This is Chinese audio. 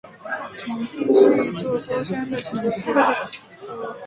重庆是一座多山的城市。